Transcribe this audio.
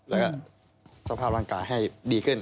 แล้วก็สภาพร่างกายให้ดีขึ้น